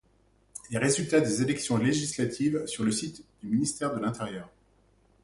Les résultats des élections législatives sur le site du ministère de l'intérieur.